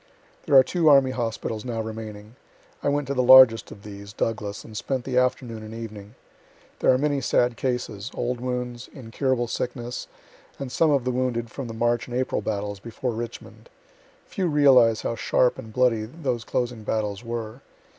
There are two army hospitals now remaining. I went to the largest of these (Douglas) and spent the afternoon and evening. There are many sad cases, old wounds, incurable sickness, and some of the wounded from the March and April battles before Richmond. Few realize how sharp and bloody those closing battles were.